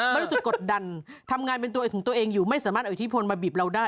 มันรู้สึกกดดันทำงานเป็นตัวของตัวเองอยู่ไม่สามารถเอาอิทธิพลมาบีบเราได้